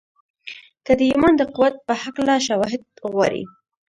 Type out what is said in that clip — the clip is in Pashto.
که د ايمان د قوت په هکله شواهد غواړئ.